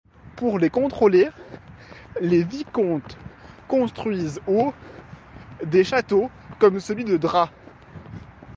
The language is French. Pour les contrôler, les vicomtes construisent au des châteaux comme celui de Drap.